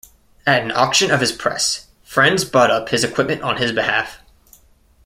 At an auction of his press, friends bought up his equipment on his behalf.